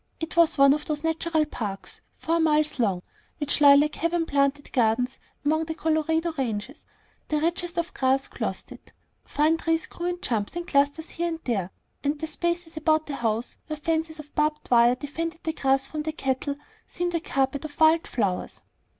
It was one of those natural parks, four miles long, which lie like heaven planted gardens among the Colorado ranges. The richest of grass clothed it; fine trees grew in clumps and clusters here and there; and the spaces about the house where fences of barbed wire defended the grass from the cattle, seemed a carpet of wild flowers.